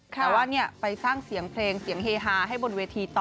แต่ว่าไปสร้างเสียงเพลงเสียงเฮฮาให้บนเวทีต่อ